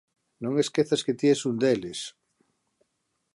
...non esquezas que ti es un deles!